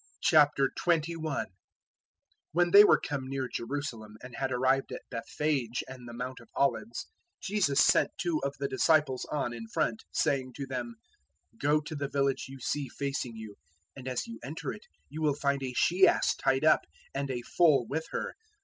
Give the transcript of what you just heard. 021:001 When they were come near Jerusalem and had arrived at Bethphage and the Mount of Olives, Jesus sent two of the disciples on in front, 021:002 saying to them, "Go to the village you see facing you, and as you enter it you will find a she ass tied up and a foal with her.